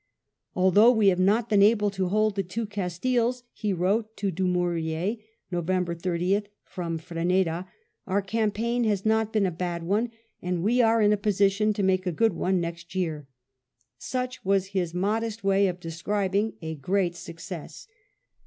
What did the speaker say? "Although we have not been able to hold the two Castilles," he wrote to Dumouriez, November 30th, from Freneda, " our campaign has not been a bad one, and we are in a position to make a good one next year." Such was his modest way of describing a great success.